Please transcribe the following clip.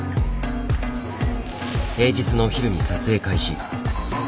平日のお昼に撮影開始。